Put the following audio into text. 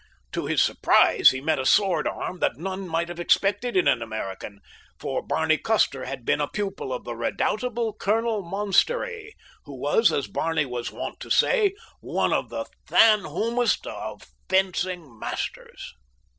To his surprise he met a sword arm that none might have expected in an American, for Barney Custer had been a pupil of the redoubtable Colonel Monstery, who was, as Barney was wont to say, "one of the thanwhomest of fencing masters."